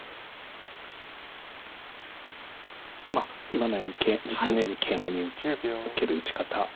今のように実戦のようにケイマに受ける打ち方